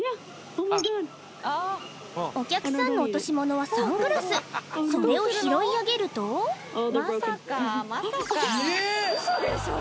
お客さんの落とし物はサングラスそれを拾い上げると逆だよ